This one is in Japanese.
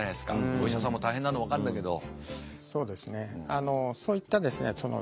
お医者さんも大変なのは分かるんだけど。